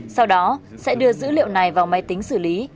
sau đó sẽ đưa dữ liệu này vào máy tính xử lý